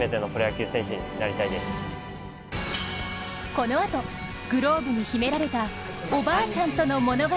このあと、グローブに秘められたおばあちゃんとの物語。